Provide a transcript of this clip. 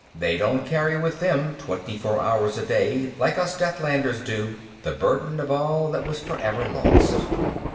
They don't carry with them, twenty four hours a day, like us Deathlanders do, the burden of all that was forever lost.